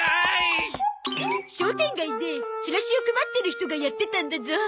商店街でチラシを配ってる人がやってたんだゾ。